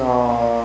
hồ sơ tiêu cầu